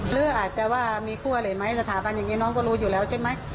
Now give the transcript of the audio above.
หรืออาจจะว่ามีคู่อะไรไหมสถาบันอย่างนี้น้องก็รู้อยู่แล้วใช่ไหม